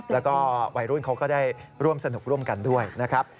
แล้วก็วัยรุ่นเขาก็ได้ร่วมสนุกร่วมกันด้วยนะครับ